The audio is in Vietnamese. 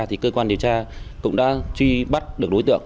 thì cơ quan điều tra cũng đã truy bắt được đối tượng